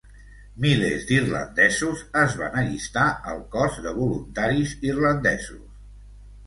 Milers d'irlandesos es van allistar al cos de Voluntaris Irlandesos.